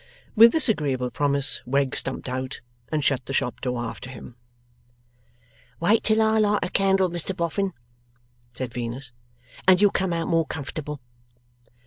With this agreeable promise Wegg stumped out, and shut the shop door after him. 'Wait till I light a candle, Mr Boffin,' said Venus, 'and you'll come out more comfortable.